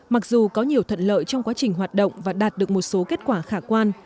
mặc dù có nhiều thuận lợi trong quá trình hoạt động và đạt được một số kết quả khả quan